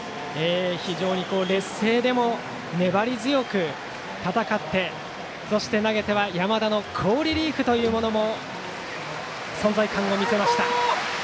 劣勢でも粘り強く戦ってそして投げては山田の好リリーフも存在感を見せました。